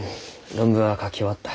論文は書き終わった。